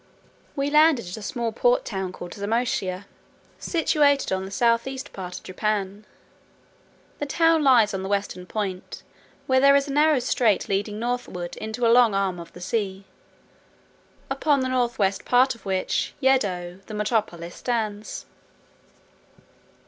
We landed at a small port town called Xamoschi, situated on the south east part of Japan; the town lies on the western point, where there is a narrow strait leading northward into a long arm of the sea, upon the north west part of which, Yedo, the metropolis, stands.